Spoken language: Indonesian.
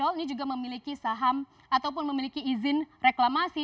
ini juga memiliki saham ataupun memiliki izin reklamasi